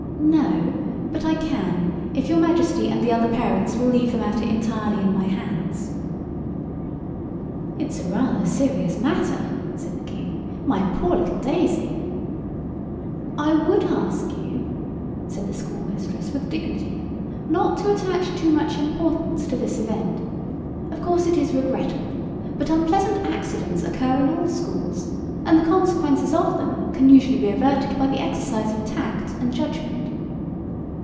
"No; but I can if your Majesty and the other parents will leave the matter entirely in my hands." "It's rather a serious matter," said the King; "my poor little Daisy——" "I would ask you," said the schoolmistress with dignity, "not to attach too much importance to this event. Of course it is regrettable, but unpleasant accidents occur in all schools, and the consequences of them can usually be averted by the exercise of tact and judgment."